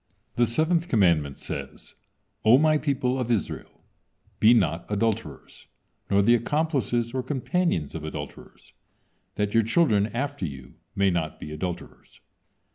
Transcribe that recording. The seventh commandment says: "O My people of Israel, be not adulterers, nor the accomplices or companions of adulterers, that your children after you may not be adulterers.